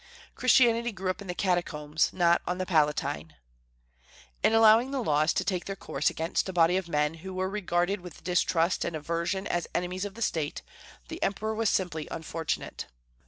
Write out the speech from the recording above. "Christianity grew up in the Catacombs, not on the Palatine." In allowing the laws to take their course against a body of men who were regarded with distrust and aversion as enemies of the State, the Emperor was simply unfortunate.